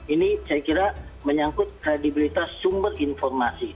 ini saya kira menyangkut kredibilitas sumber informasi